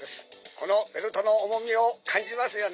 「このベルトの重みを感じますよね」